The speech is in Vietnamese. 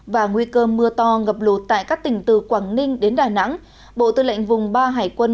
và nguy cơ mưa to ngập lụt tại các tỉnh từ quảng ninh đến đà nẵng bộ tư lệnh vùng ba hải quân